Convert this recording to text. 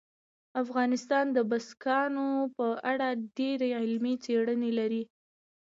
افغانستان د بزګانو په اړه ډېرې علمي څېړنې لري.